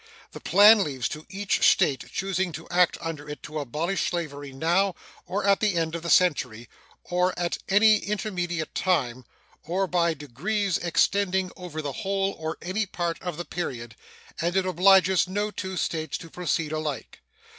The plan leaves to each State choosing to act under it to abolish slavery now or at the end of the century, or at any intermediate time, or by degrees extending over the whole or any part of the period, and it obliges no two States to proceed alike.